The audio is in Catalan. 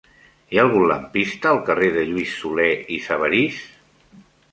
Hi ha algun lampista al carrer de Lluís Solé i Sabarís?